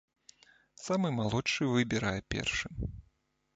Самы малодшы выбірае першым.